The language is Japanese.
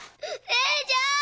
姉ちゃん‼